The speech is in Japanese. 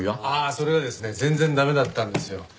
ああそれがですね全然駄目だったんですよ。